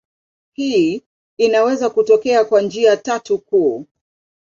Hii inaweza kutokea kwa njia tatu kuu.